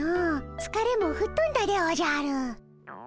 つかれもふっとんだでおじゃる。